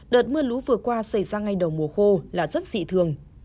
đợt mưa lũ vừa qua xảy ra ngay đầu mùa khô là rất dị thường